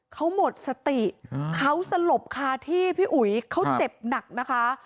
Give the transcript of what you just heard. เขาหมดสติเขาสลบคาที่พี่อุ๋ยเขาเจ็บหนักนะคะ